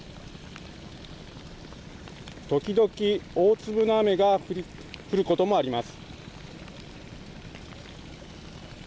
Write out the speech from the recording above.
時々、大粒の雨が降ることもあります。